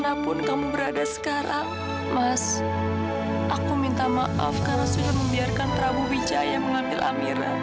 aku minta maaf karena sudah membiarkan prabu wijaya mengambil amira